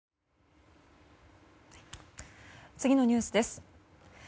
次のニュースです。